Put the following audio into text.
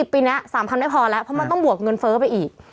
ปีนี้๓๐๐ไม่พอแล้วเพราะมันต้องบวกเงินเฟ้อไปอีก